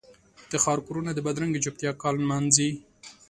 د ښار کورونه د بدرنګې چوپتیا کال نمانځي